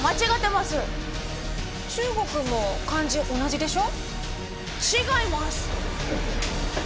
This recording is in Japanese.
中国も漢字同じでしょ？